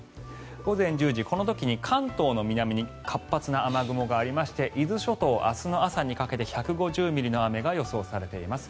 午前１０時、この時に関東の南に活発な雨雲がありまして伊豆諸島、明日の朝にかけて１５０ミリの雨が予想されています。